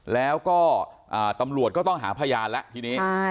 แล้วก็ตำรวจก็ต้องหาพยานแล้วทีนี้